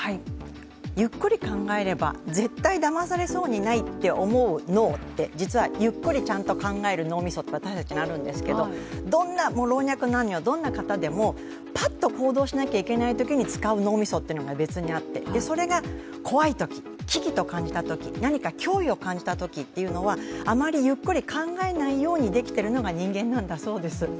ゆっくり考えれば絶対だまされそうにないと思うという、実はゆっくりちゃんと考える脳みそって私たちにはあるんですけど老若男女、どんな方でもぱっと行動するときに使う脳みそが別にあって、怖いとき危機と感じたとき、何か脅威を感じたときというのは、あまりゆっくり考えないようにできているのが人間なんだそうです。